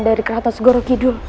dari keratas gorokidul